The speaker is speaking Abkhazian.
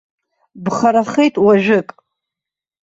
Бхарахеит уажәык.